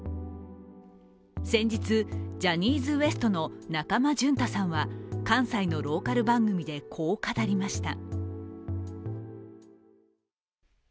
先日ジャニーズＷＥＳＴの中間淳太さんは、関西のローカル番組で、こう語りました。